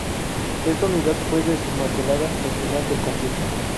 Esta unidad fue desmantelada al final del conflicto.